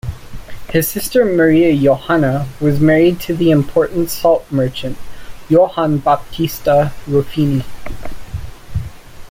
His sister Maria Johanna was married to the important salt merchant Johann Baptista Ruffini.